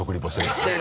してる！